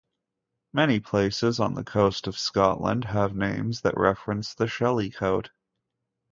Many places on the coast of Scotland have names that reference the shellycoat.